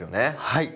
はい。